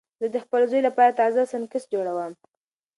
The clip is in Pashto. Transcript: زه د خپل زوی لپاره تازه سنکس جوړوم.